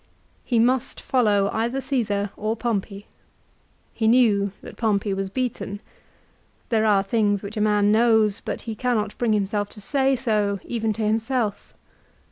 He must follow either Caesar or Pompey. He knew that Pompey was beaten. There are things which a man knows but he cannot bring himself to say so even to himself.